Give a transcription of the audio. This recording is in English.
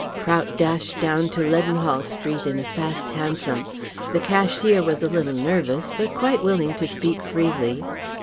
Prout dashed down to Leadenhall Street in a fast hansom. The cashier was a little nervous, but quite willing to speak freely.